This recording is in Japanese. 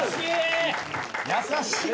優しい。